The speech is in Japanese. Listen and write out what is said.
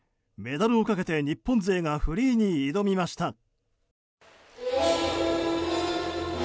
メダルをかけて日本勢がフリーに挑みました。